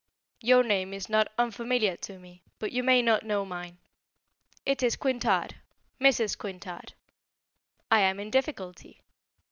"Your name is not unfamiliar to me, but you may not know mine. It is Quintard; Mrs. Quintard. I am in difficulty.